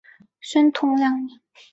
宣统二年。